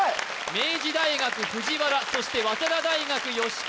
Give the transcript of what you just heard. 明治大学藤原そして早稲田大学川